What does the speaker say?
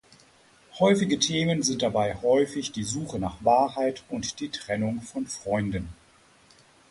Häufige Themen sind dabei häufig die Suche nach Wahrheit und die Trennung von Freunden.